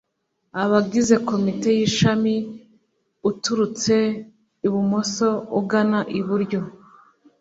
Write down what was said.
Abagize komite y ishami uturutse ibumoso ugana iburyo